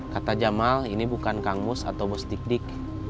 kata jamal ini bukan kang mus atau bos dik dik